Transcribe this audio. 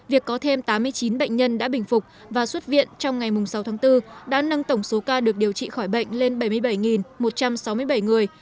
việc có thêm tám mươi chín bệnh nhân đã bình phục và xuất viện trong ngày sáu tháng bốn đã nâng tổng số ca được điều trị khỏi bệnh lên bảy mươi bảy một trăm sáu mươi bảy người